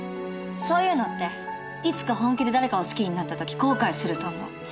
そういうのっていつか本気で誰かを好きになったとき後悔すると思う。